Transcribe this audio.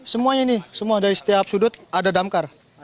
semuanya ini semua dari setiap sudut ada damkar